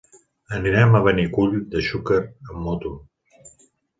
Anirem a Benicull de Xúquer amb moto.